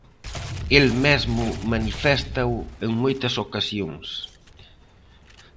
El mesmo maniféstao en moitas ocasións.